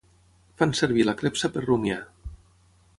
Fan servir la clepsa per rumiar.